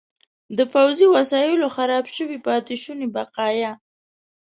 د پوځي وسایلو خراب شوي پاتې شوني بقایا.